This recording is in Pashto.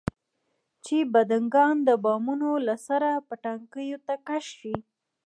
چې بډنکان د بامونو له سره پټاکیو ته کش شي.